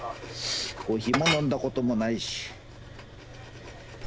コーヒーも飲んだこともないし。